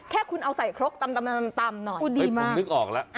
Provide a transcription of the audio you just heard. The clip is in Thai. แค่คุณเอาใส่ครกตำหน่อยดีมากคุณนึกออกแล้ว